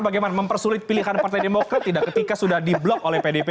bagaimana mempersulit pilihan partai demokrat tidak ketika sudah diblok oleh pdp